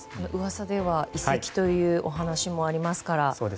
噂では移籍というお話もありますから。